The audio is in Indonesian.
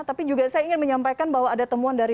tapi juga saya ingin menyampaikan bahwa ada temuan dari